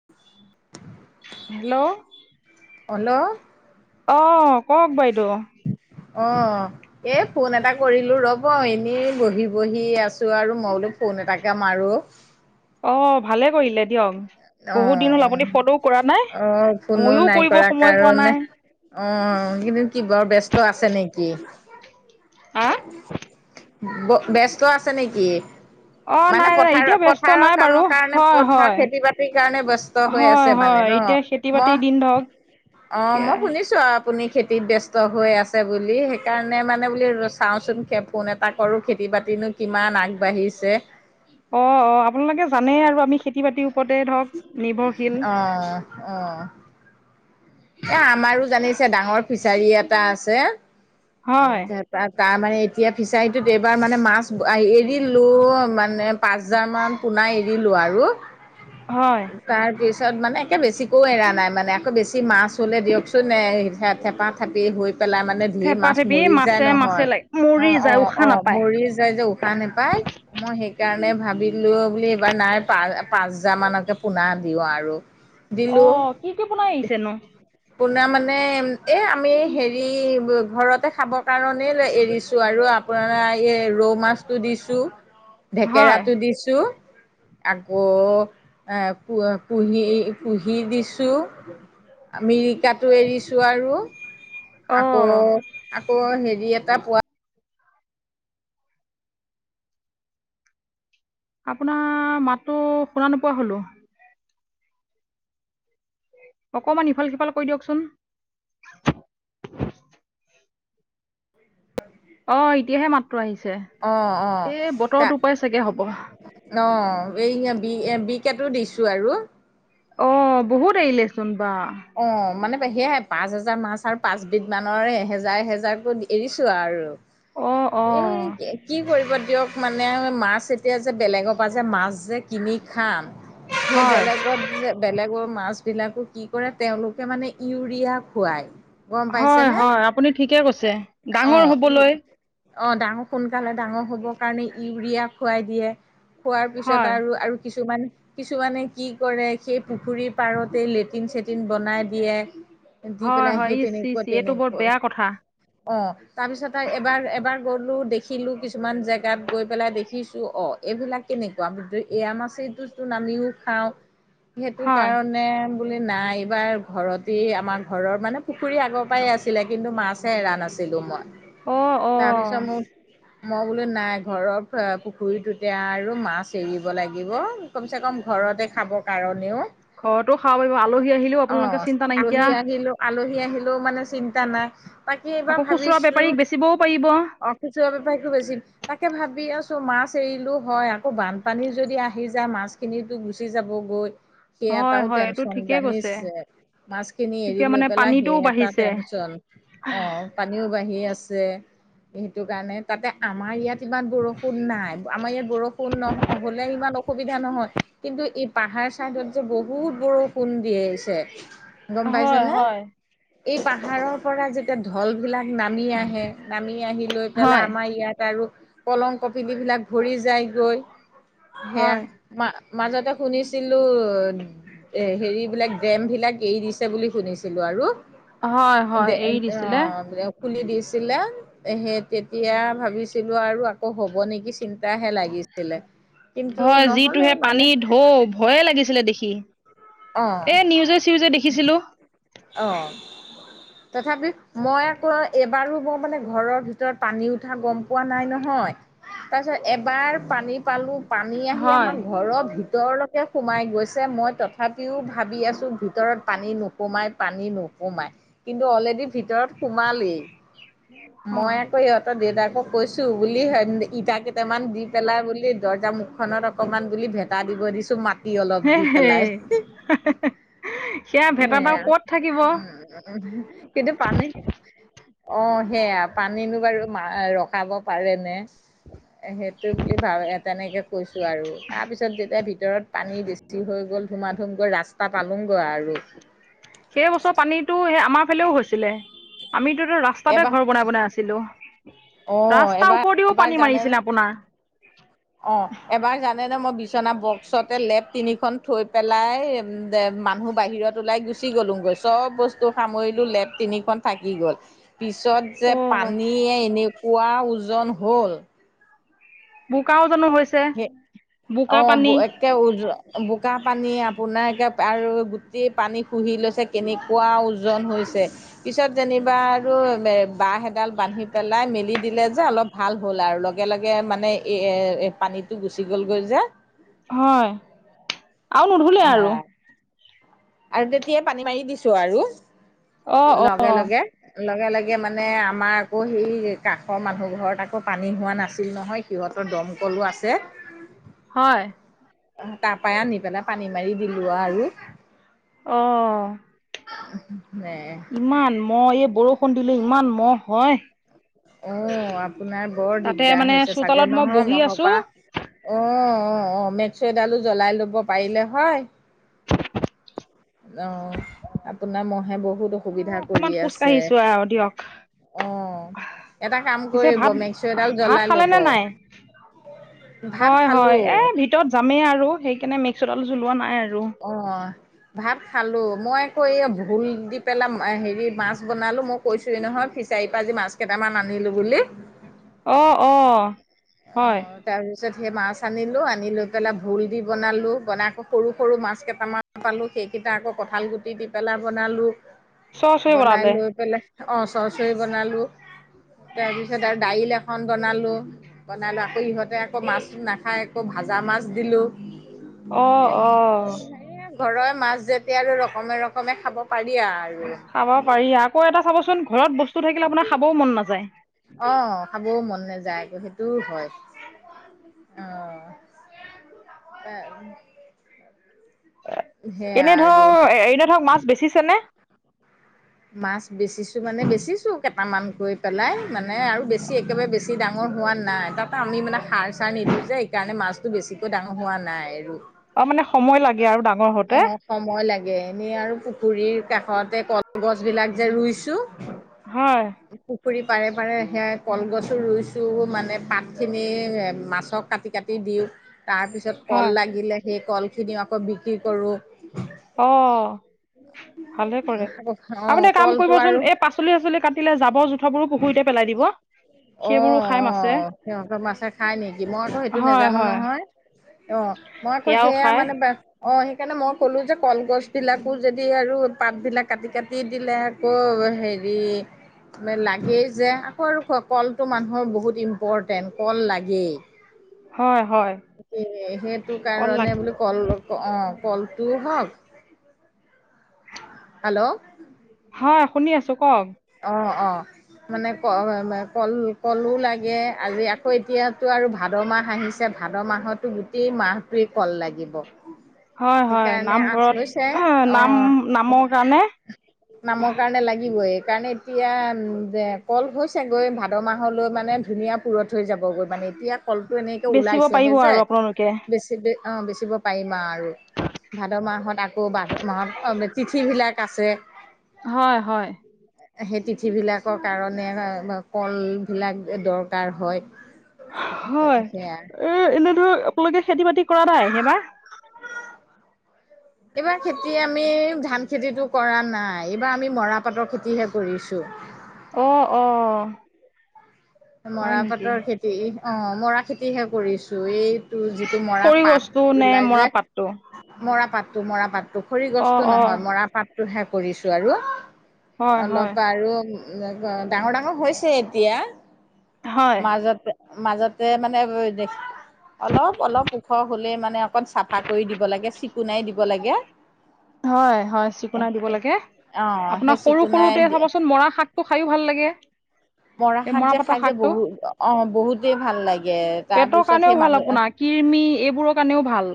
[inaudible] Hello. Hello. অ' কওঁক বাইদো? অ'। এ, ফোন এটা কৰিলোঁ ৰ'ব এনেই বহি বহি আছোঁ আৰু, মই বোলো ফোন এটাকে মাৰো। অ' ভালে কৰিলে দিয়ক, বহুত অঁ দিন হ'ল অঁ আপুনি ফনো কৰা ৰা নাই। অঁ ময়ও কৰিব সময় পোৱা নাই। অ' এইকেইদিন বৰ ব্যস্ত আছে নেকি? হা ব-ব্যস্ত আছে নেকি? অ মানে নাই নাই এতিয়া ব্যস্ত পথাৰ-পথাৰৰ নাই বাৰু কামৰ কাৰণে হয় পথাৰ হয় খেতি বাতি কাৰণে বস্ত হৈ হয় আছে মানে হয় ন'? এতিয়া খেতি বাতিৰ মই, দিন ধৰক অ' মই সেয়াই শুনি শুনিছোঁ আৰু আপুনি খেতিত ব্যস্ত হৈ আছে বুলি সেইকাৰণে মানে বুলি ৰ চাওঁচোন কে-ফোন এটা কৰোঁ, খেতি বাতিনো কিমান আগবাঢ়িছে। অ', অ' আপোনালোকে জানেই আৰু আমি খেতি বাতিৰ ওপৰতে ধৰক নিৰ্ভৰশীল। অ'। অ'। এ, আমাৰো জানিছে ডাঙৰ ফিচাৰী এটা আছে। হয় [unintelligible] তা-তাৰ মানে এতিয়া ফিচাৰীটোত এইবাৰ মানে মাছ এৰিলো মানে পাঁচ হাজাৰমান পোনা এৰিলোঁ আৰু। হয়। তাৰপিছত মানে একে বেছিকোও এৰা নাই মানে আকৌ বেছি মাছ হ'লে দিয়কচোন নে থেপা থেপি হৈ পেলাই মানে ঢেৰ থেপা মাছ থেপি মৰি যায় মাছে মাছে নহয়। লাগে মৰি অ', যায় অ', উশাহ অ' নাপায় মৰি যায় যে উশাহ নেপায়। মই সেইকাৰণে ভাবিলোঁ বুলি এইবাৰ নাই পা-পাঁচ হাজাৰ মানকে পোনা দিওঁ আৰু। অ দিলোঁ। কি কি পোনা এৰিছেনো? পোনা মানে এ, আমি হেৰি ঘৰতে খাব কাৰণেই লে এৰিছোঁ আৰু পুৰা এই ৰৌ মাছটো দিছো, হয় ঢেকেৰাটো দিছো। আকৌ, এ-কুহি দিছোঁ। মিৰিকাতো এৰিছো আৰু, অ আকৌ, আকৌ, হেৰি এটা পোৱা আপোনাৰ মাতটো শুনা নোপোৱা হ'লোঁ। অকণমান ইফাল-সিফাল কৰি দিয়কচোন। অ, এতিয়াহে মাতটো আহিছে অঁ অঁ এই বতৰটো পাই চাগে হব। অ, এই বি, বি-কেটো দিছো আৰু। অ, বহুত এৰিলে, চোন বা। অ, মানে সেয়াই পাঁচ হেজাৰ মাছ আৰু পাঁচবিধ মানৰ এহেজাৰ, এহেজাৰকে এৰিছোঁ আৰু। অ অ এই, কি কৰিব দিয়ক, মানে মাছ এতি এতিয়া যে বেলেগৰ পৰা যে মাছ যে কিনি খাম, সেই হয় বেলেগত যে বেলেগৰ মাছ বিলাকো কি কৰে, তেওঁলোকে মানে ইউৰিয়া খুৱাই। হয়, হয়, আপুনি ঠিকে কৈছে, ডাঙৰ অ' ই হ'বলৈ। অ, ডাঙৰ, সোনকালে ডাঙৰ হ'বৰ কাৰণে, ইউৰিয়া খুৱাই দিয়ে। খোৱাৰ পিছত হয় আৰু আৰু কিছুমান, কিছুমানে কি কৰে সেই পুখুৰীৰ পাৰতে লেট চেটিন-চেটিন বনাই দিয়ে, দি হয় পেলাই হয় সেই ইচ ইচ তেনেকুৱা, এইটো বৰ তেনেকুৱা। বেয়া কথা অ, তাৰপিছতে এবাৰ, এবাৰ গলোঁ, দেখিলো কিছুমান জেগাত গৈ পেলাই দেখিছোঁ অ, এইবিলাক কেনেকুৱা, এৰা মাছেটোতো আমিও খাওঁ। সেইটো হয় কাৰণে, বুলি নাই। এইবাৰ ঘৰতে, আমাৰ ঘৰৰ মানে পুখুৰী আগৰ পৰাই আছিলে, কিন্তু মাছেহে এৰা নাছিলো মই? অ অ তাৰপিছত মোৰ মই বোলো নাই, ঘৰৰ পুখুৰীটোতে আৰু মাছ এৰিব লাগিব। কমচে কম, ঘৰতে খাব কাৰণেও ঘৰতো খাব পাৰিব আলহী আহিলেও অ, আপোনালোকে চিন্তা নাইকিয়া আলহি, আহিলেও আলহী, আহিলেও মানে চিন্তা নাই, বাকী এইবাৰ আকৌ খুচুৰা ভাবিছো বেপাৰীক বেচিবও পাৰিব খুচুৰা বেপাৰীটো বেছি। তাকে ভাবি আছো, মাছ এৰিলো হয়, আকৌ বানপানী যদি আহি যায়, মাছ খিনিতো গুচি যাব গৈ, সেই হয় এটাও হয় এইটো টেনচন ঠিকেই জানিছ কৈছে যে, মাছখিনি এৰি এতিয়া লৈ মানে পেলাই, সেই পানীটোও এটা বাঢ়িছে টেনচন। অ, পানীও বাঢ়ি আছে। সেইটো কাৰণে তাতে আমাৰ ইয়াত ইমান বৰষুণ নাই, আমাৰ ইয়াত বৰষুণ ন, হ'লে ইমান অসুবিধা নহয় কিন্তু এই পাহাৰ-চাইডত যে বহুত বৰষুণ দিয়ে। গম পাইছ হয় নে, হয় এই পাহাৰৰ পৰা যেতিয়া ঢল বিলাক নামি আহে, নামি আহি লৈ পেলাই, হয় আমাৰ ইয়াত আৰু কলং, কপিলি বিলাক। ঘূৰি যায় গৈ, সেয়া। হয় মা, মাজতে শুনিছিলো এ, হেৰিবিলাক ডেম বিলাক এৰি দিছে বুলি শুনিছিলো আৰু হয় হয় এৰি দিছিলে। অ, [inaudible] খুলি দিছিলে, সেই তেতিয়া ভাবিছিলো আৰু আকৌ হ'ব নেকি চিন্তা বেয়াহে লাগিছিলে, কিন্তু নহ'লে মানে। এ, ভয়ে লাগিছিলে দেখি, অ এই নিউজে-চিউজে দেখিছিলো। অ, তথাপিও মই আকৌ এবাৰো, মই মানে ঘৰৰ ভিতৰত পানী উঠা গম, পোৱা নাই নহয়। তাৰ পিছত, এবাৰ পানী পালো পানী আহি হয় আমাৰ ঘৰৰ ভিতৰত ভিতৰলৈকে সোমাই গৈছে, মই তথাপিও ভাবি আছোঁ, ভিতৰত পানী নোসোমাই। পানী নোসোমাই, কিন্তু অলৰেডি ভিতৰত সোমালেই, অ মই আকৌ সিহঁত ত, দেউতাকো কৈছোঁ বুলি ইটা কেইটামান দি পেলাই বুলি, দৰ্জা মুখ খনত অকমান বুলি ভেটা দিব দিছো মাটি অলপ হে দি হে পেলাই। সেয়া ভেটা বাৰু ক'ত থাকিব। উম, উম কিন্তু পানীত অ' সেয়া পানীনো বাৰু ৰখাব পাৰে নে? সেইটো বুলি ভাব তেনেকে কৈছোঁ আৰু তাৰ পিছত যেতিয়া ভিতৰত পানী বেছি বেছি হৈ গ'ল ধুমা ধুম গৈ ৰাস্তা পালোগৈ আৰু। সেই বছৰ পানীটো সেই আমাৰ ফালেও হৈছিলে আমিতো ৰাস ৰাস্তাতে এবাৰ ঘৰ বনাই বনাই আছিলাম, অ ৰাস্তাৰ এবাৰ ওপৰদিও পানী মাৰিছিলে আপোনাৰ। অঁ এবাৰ জানেনে মই বিচনা বক্সতে লেপ তিনিখন থৈ পেলাই যে মানুহ বাহিৰত ওলাই গুচি গ'লো গৈ চব বস্তু তো সামৰিলো লেপ তিনিখন থাকি গ'ল। পিছত অ যে পানীয়ে এনেকুৱা ওজন হ'ল বোকাও জানো হৈছে? বোকা অ' পানী। এক বোকা পানী আপোনাৰ একে আৰু গোটে পানী শুহি লৈছে কেনেকুৱা ওজন হৈছে পিছত যেনিবা আৰু এ বাঁহ এডাল বান্ধি পেলাই মেলি দিলে যে অলপ ভাল হ'ল আৰু লগে লগে মানে এই পানীটো গুচি গ'লগৈ যে হয়। আৰু নুধুলে আৰু অ' আৰু তেতিয়াই পানী মাৰি দিছোঁ আৰু। অ অ। লগে, লগে লগে লগে মানে আমাৰ আকৌ সেই কাষৰ মানুহ ঘৰত আকৌ পানী হোৱা নাছিল নহয় সিহঁতৰ দমকলো আছে হয়। তাৰ পৰাই আনি পেলাই পানী মাৰি দিলো আৰু অ'। ন [unintelligible] ইমান মহ, এই বৰষুণ দিলে ইমান মহ হয়। অ' আপোনাৰ বৰ তাতে দিগদাৰ মানে হৈছে চাগৈ চোতালত মই নহয় বহি মহৰ আছো পা। অ' অ' অ' মেক্স' এডালো জ্বলাই ল'ব পাৰিলে হয়। অ' আপোনাৰ মহে বহুত অসুবিধা কৰি অকমান খোজ আছে। কাঢ়িছো আৰু দিয়ক অ' এটা কাম পিছে কৰিব ভাত মেক্স' এডাল ভাত জ্বলাই খালে ল'ব। নে নাই ভাত হয় হয় খালোঁ। এ ভিতৰত যামেই আৰু সেইকাৰণে মেক্স' ডাল জ্বলোৱা নাই আৰু। অ'। ভাত খালোঁ। মই আকৌ এই ভোল দি পেলাই হেৰি মাছ বনালোঁ, মই কৈছোঁৱেই নহয় ফিচাৰীৰ পৰা আজি মাছ কেইটামান আনিলোঁ বুলি। অ' অ' হয়। তাৰ পিছত সেই মাছ আনিলোঁ আনি লৈ পেলাই ভোল দি বনালোঁ বনাই আকৌ সৰু সৰু মাছ কেইটামান পালোঁ সেইকেইটা আকৌ কঁঠাল গুটি দি পেলাই বনালোঁ। চচ হৈ বনাই বনালে লৈ পেলাই অ' চৰচৰি বনালোঁ। তাৰপিছত আৰু দাইল এখন বনালোঁ। বনালোঁ আকৌ ইহঁতে আকৌ মাছ নাখায় আকৌ ভাজা মাছ দিলোঁ। অ [inaudible] অ এই ঘৰৰ মাছ যেতিয়া আৰু ৰকমে ৰকমে খাব পাৰি আৰু। খাব পাৰি। আকৌ এটা চাবচোন ঘৰত বস্তু থাকিলে আপোনাৰ খাবও মন নাযায়। অ খাবও মন নাযায় আকৌ সেই টো হয়। অহ তা সেয়া এনে ধৰ আৰু এতিয়া ধৰক মাছ বেচিছে নে? মাছ বেচিছো মানে বেচিছো কেইটামান কৈ পেলাই, মানে আৰু বেছি একেবাৰে বেছি বেছি ডাঙৰ হোৱা নাই। তাপা আমি মানে সাৰ চাৰ নিদিওঁ যে এই কাৰণে মাছটো বেছিকৈ ডাঙৰ হোৱা নাই। আৰু অ মানে সময় লাগে আৰু ডাঙৰ হওঁতে? অঁ সময় লাগে। এনে আৰু পুখুৰীৰ কাষতে কল গছ বিলাক যে ৰুইছো, হয় পুখুৰী পাৰে পাৰে সেয়া কলগছো ৰুইছো, মানে পাত খিনি এ মাছক কাটি কাটি টি দিওঁ। তাৰপিছত কল হয় লাগিলে সেই কলখিনিও আকৌ বিক্ৰী কৰোঁ। অ ভালে কৰে। অঁ আপুনি কাম কলটো কৰিবচোন আৰু এই পাছ পাচলি চাচলি কাটিলে জাবৰ-জোথৰ বোৰো পুখুৰীতে পেলাই দিব। অ সেইবোৰো খাই অ। মাছে সিহঁতৰ মাছে খাই নেকি? মইতো সেইটো হয় নাজানো হয় নহয়। অ মই আকৌ সেয়াও সেয়া খাই মানে বে, অ সেইকাৰণে মই ক'লোঁ যে কলগছবিলাকো যদি আৰু পাতবিলাক কাটি কাটি দিলে আকৌ হেৰি লাগেই যে। কল খোৱক, কলটো মানুহৰ বহুত ইম্পৰ্টেণ্ট। কল লাগেই। হয় হয়। সেইটো হে, সেইটো কল লাগ কাৰণে বোলো, কল অ কলটো হওঁক। হেল্ল' হয় শুনি আছোঁ। কওঁক? অ অ। মানে ক কল কলো লাগে, আজি আকৌ এতিয়াতো আৰু ভাদ মাহ আহিছে। [unintelligible] যে ভাদ মাহতো গোটেই মাহটোৱে কল লাগিব। হয় হয় সেইকাৰণে আচ নামঘৰত, হৈছে নাম অঁ নামৰ কাৰণে। নামৰ কাৰণে লাগিবই। কাৰণে এতিয়া কল হৈছেগৈ, ভাদ মাহলৈ মানে ধুনীয়া পুৰঠ হৈ যাব গৈ মানে এতিয়া কলটো এনেকে বেচিব পাৰিব ওলাইছেহে যে। আৰু আপোনালোকে বেছি অ বেচিব পাৰিম আ আৰু। ভাদ মাহত আকৌ ভাদ মাহত তিথিবিলাক আছে। হয় হয়। সেই তিথি বিলাকৰ কাৰণে কল বিলাক দৰকাৰ হয়। হয়। সেয়া এ এনে ধৰক আপোনালোকে খেতি বাতি কৰা নাই এইবাৰ? এইবাৰ খেতি আমি ধান খেতিটো কৰা নাই, এইবাৰ আমি মৰাপাটৰ খেতিহে কৰিছোঁ। অ অ। হয় মৰা নেকি পাটৰ খেতি। অ, মৰা খেতিহে কৰিছো। এই টো যিটো মৰা খৰি গছটো পাত নে ওলাই মৰা যে। পাতটো মৰা পাতটো, মৰা পাত পুখুৰী অ গছটো অ নহয়, মৰা পাতটোহে কৰিছো আৰু। হয় হয় অলপ আৰু অ ডাঙৰ- ডাঙৰ হৈছে এতিয়া। হয় মাজতে, মাজতে মানে দে অলপ অলপ ওখ হলেই মানে অকণ চাফা কৰি দিব লাগে, চিকুণাই দিব লাগে। হয়, হয়, চিকুনাই দিব লাগে। অ সেই আপোনাৰ চিকুণাই সৰু-সৰুতে চাবচোন মৰা শাকটো খাইও ভাল লাগে। মৰা শাক যে পাতৰ খাই যে শাকটো বহু অ বহুতেই ভাল লাগে। তাৰপিছত সেই মানুহ কৃমি এইবোৰ কাৰণেও ভাল।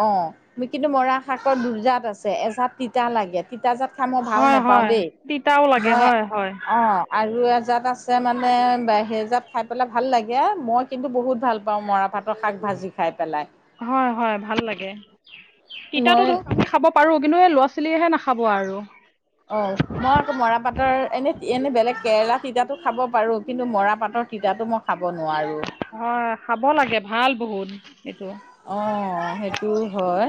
অ', কিন্তু মৰা শাকৰ দুজাত আছে। এজাত তিতা লাগে। তিতা জাত খাই মই ভাল হয় নাপাওঁ হয় দেই, তিতাও লাগে মই। হয় হয় অ'। আৰু এজাত আছে মানে, সেইজাত খাই পেলাই ভাল লাগে। মই কিন্তু বহুত ভাল পাওঁ মৰাপাট। প্ৰ শাক ভাজি খাই পেলাই। হয়-হয় ভাল লাগে। তিতাতো মই ধৰক আমি খাব পাৰোঁ। কিন্তু এই ল'ৰা ছোৱালীয়েহে নাখাব আৰু। অ', মই আকৌ মৰাপাটৰ এনেই- এনেই বেলেগ কেৰেলা তিতাটো খাব পাৰোঁ। কিন্তু মৰাপাটৰ তিতাটো মই খাব নোৱাৰোঁ। হয়। খাব লাগে, ভাল বহুত এইটো। অ', সেইটো হয়।